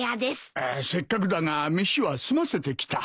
せっかくだが飯は済ませてきた。